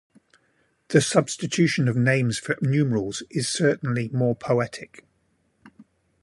The substitution of names for numerals is certainly more poetic.